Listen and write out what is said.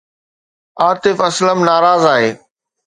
عاطف اسلم ناراض آهي